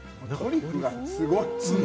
トリュフがすごい！